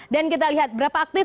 dan kita lihat berapa aktif